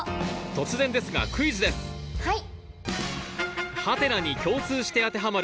突然ですがクイズですはい。